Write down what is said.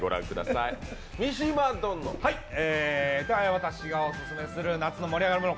私がオススメする夏に盛り上がるもの